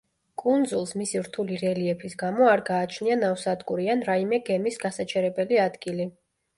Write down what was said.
კუნძულს, მისი რთული რელიეფის გამო არ გააჩნია ნავსადგური ან რაიმე გემის გასაჩერებელი ადგილი.